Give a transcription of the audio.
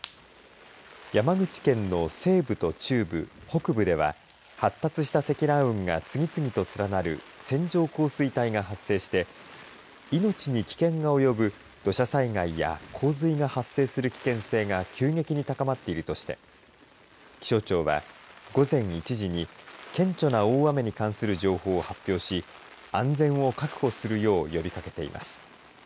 山口県の西部と中部北部では発達した積乱雲が次々と連なる線状降水帯が発生して命に危険が及ぶ土砂災害や洪水が発生する危険性が急激に高まっているとして気象庁は午前１時に顕著な大雨に関する情報を発表し安全を確保するよう呼びかけています。